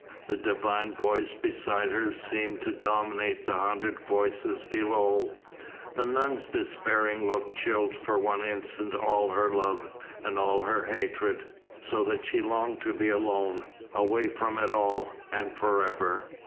The divine voice beside her seemed to dominate the hundred voices below; the nun's despairing look chilled for one instant all her love and all her hatred, so that she longed to be alone, away from it all, and for ever.